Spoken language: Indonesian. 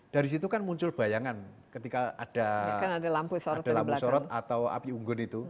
dari situ kan muncul bayangan ketika ada dalam sorot atau api unggun itu